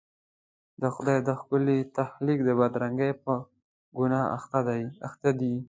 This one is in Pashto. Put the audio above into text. د خدای د ښکلي تخلیق د بدرنګۍ په ګناه اخته دي.